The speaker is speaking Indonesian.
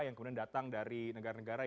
yang kemudian datang dari negara negara